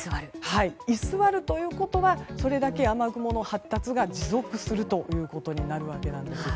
居座るということはそれだけ雨雲の発達が持続するということになるわけなんです。